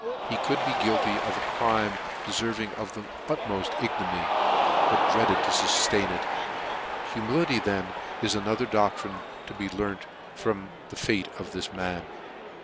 He could be guilty of a crime deferving the utmoft ignominy, but dreaded to fuftain it. Humility, then, is ano ther doctrine to be learned from the fate of this man.